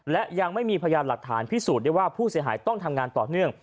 และยังไม่มีพยานหลักฐานพิสูจน์ได้ว่าผู้เสียหายต้องทำงานต่อเนื่อง